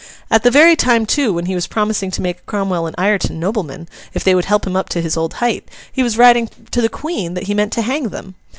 At the very time, too, when he was promising to make Cromwell and Ireton noblemen, if they would help him up to his old height, he was writing to the Queen that he meant to hang them.